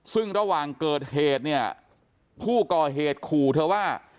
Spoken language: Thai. ซึ่งระหว่างเกิดเหตุเนี่ยผู้ก่อเหตุขู่เธอว่า